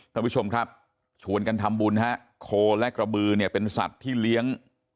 ท่านผู้ชมครับชวนกันทำบุญฮะโคและกระบือเนี่ยเป็นสัตว์ที่เลี้ยง